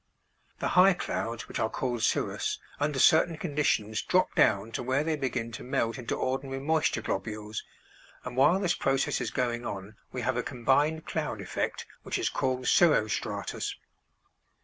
The high clouds, which are called cirrus, under certain conditions drop down to where they begin to melt into ordinary moisture globules, and while this process is going on we have a combined cloud effect which is called cirro stratus.